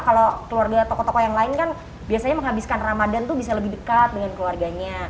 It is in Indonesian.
kalau keluarga tokoh tokoh yang lain kan biasanya menghabiskan ramadan tuh bisa lebih dekat dengan keluarganya